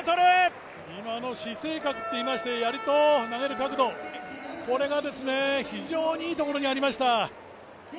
姿勢角といいまして、やりと投げる角度が非常にいいところにありました。